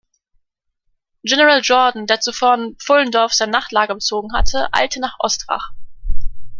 General Jourdan, der zuvor in Pfullendorf sein Nachtlager bezogen hatte, eilte nach Ostrach.